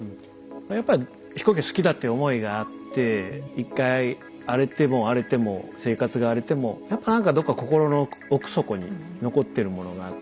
やっぱり飛行機が好きだっていう思いがあって１回荒れても荒れても生活が荒れてもやっぱなんかどっか心の奥底に残ってるものがあって